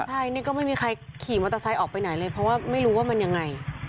ใช่นี่ก็ไม่มีใครขี่มอเตอร์ไซค์ออกไปไหนเลยเพราะว่าไม่รู้ว่ามันยังไง